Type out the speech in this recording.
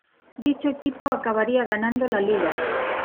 Dicho equipo acabaría ganando la liga.